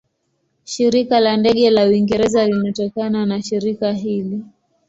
Shirika la Ndege la Uingereza linatokana na shirika hili.